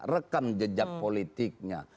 rekam jejak politiknya